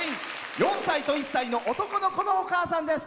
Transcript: ４歳と１歳の男の子のお母さんです。